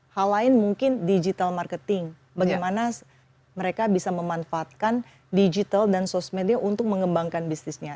hal lain mungkin digital marketing bagaimana mereka bisa memanfaatkan digital dan sosmedia untuk mengembangkan bisnisnya